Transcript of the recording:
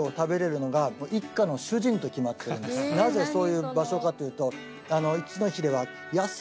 なぜそういう場所かというと。